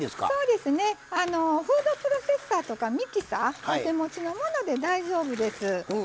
そうですねフードプロセッサーとかミキサーお手持ちのもので大丈夫です。